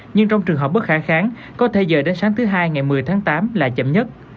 nhưng trong trường hợp bất khả kháng có thể dời đến sáng thứ hai ngày một mươi tháng tám là chậm nhất